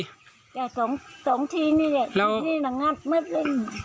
แหละสองทีนี่แหละสองทีแหละนางงากเมื่อสิ้น